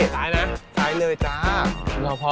ซ้ายนะซ้ายเลยจ้า